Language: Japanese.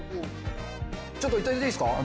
ちょっと頂いていいですか？